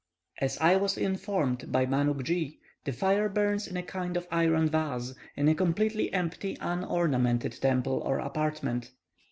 As I was informed by Manuckjee, the fire burns in a kind of iron vase, in a completely empty, unornamented temple or apartment.